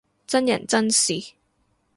真人真事